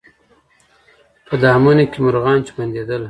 په دامونو کي مرغان چي بندېدله